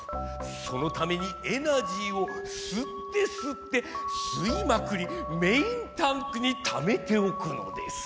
そのためにエナジーをすってすってすいまくりメインタンクにためておくのです。